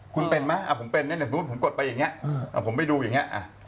คุณเป็นมั้ยผมกดไปอย่างนี้